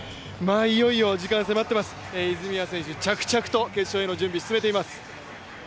いよいよ時間が迫っています、泉谷選手着々と決勝への準備、進めています。